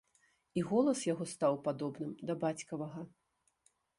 І голас яго стаў падобным да бацькавага.